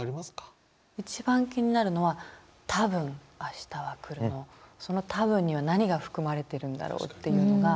一番気になるのは「たぶん明日はくる」のその「たぶん」には何が含まれてるんだろうっていうのが。